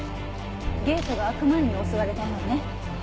ゲートが開く前に襲われたようね。